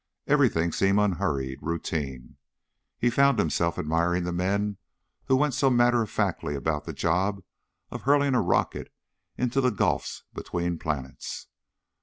Everything seemed unhurried, routine. He found himself admiring the men who went so matter of factly about the job of hurling a rocket into the gulfs between planets.